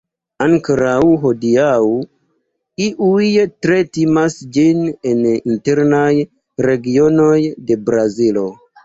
Ankoraŭ hodiaŭ, iuj tre timas ĝin en internaj regionoj de Brazilo.